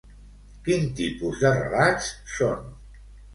Quin tipus de relats són?